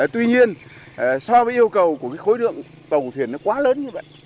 tuy nhiên so với yêu cầu của cái khối lượng tàu thuyền nó quá lớn như vậy